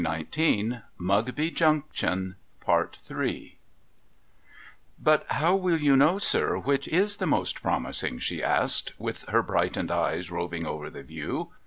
2 F 434 MUGBY JUNCTION ' But how will you know, sir, which is the most promising?' she asked, with her hrightened eyes roving over the view.